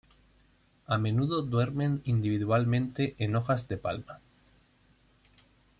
A menudo duermen individualmente en hojas de palma.